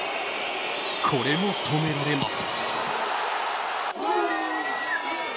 これも止められます。